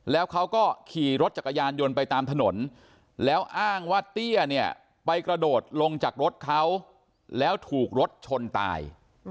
แล้วเขาก็ขี่รถจักรยานยนต์ไปตามถนนแล้วอ้างว่าเตี้ยเนี่ยไปกระโดดลงจากรถเขาแล้วถูกรถชนตาย